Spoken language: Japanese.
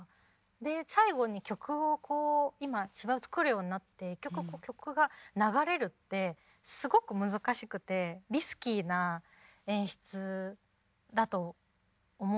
で最後に曲をこう今芝居を作るようになって１曲曲が流れるってすごく難しくてリスキーな演出だと思うんですけど。